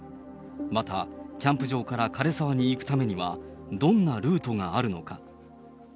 また、キャンプ場から枯れ沢に行くためには、どんなルートがあるのか。